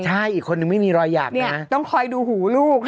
ใช่อีกคนนึงไม่มีรอยอยากต้องคอยดูหูลูก